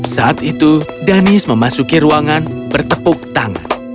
saat itu danis memasuki ruangan bertepuk tangan